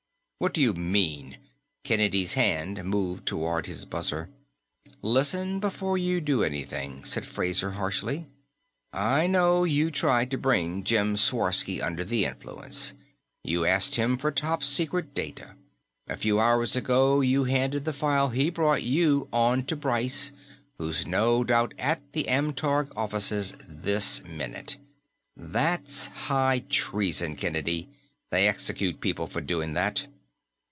"What do you mean?" Kennedy's hand moved toward his buzzer. "Listen before you do anything," said Fraser harshly. "I know you tried to bring Jim Sworsky under the influence. You asked him for top secret data. A few hours ago, you handed the file he brought you on to Bryce, who's no doubt at the Amtorg offices this minute. That's high treason, Kennedy; they execute people for doing that."